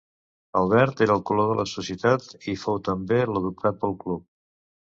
El verd era el color de la societat i fou també l'adoptat pel club.